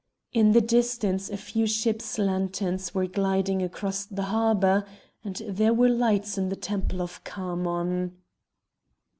In the distance a few ships' lanterns were gliding across the harbour, and there were lights in the temple of Khamon.